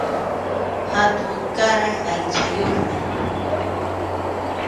Hatunkaray aychayuqmi.